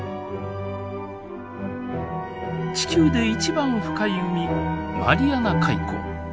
地球で一番深い海マリアナ海溝。